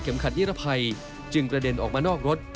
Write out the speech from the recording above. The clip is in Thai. ขัดนิรภัยจึงกระเด็นออกมานอกรถ